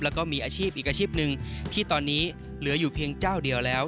แล้วก็มีอาชีพอีกอาชีพหนึ่งที่ตอนนี้เหลืออยู่เพียงเจ้าเดียวแล้ว